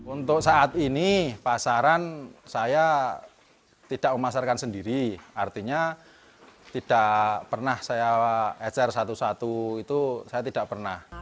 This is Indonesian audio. untuk saat ini pasaran saya tidak memasarkan sendiri artinya tidak pernah saya ecer satu satu itu saya tidak pernah